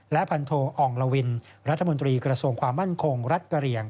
และพันโทอ่องลวินรัฐมนตรีกระทรวงความมั่นคงรัฐกะเหลี่ยง